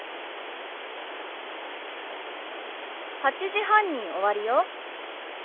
８時半に終わるよ。